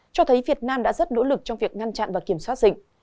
cho thấy việt nam đã rất nỗ lực trong việc ngăn chặn và kiểm soát dịch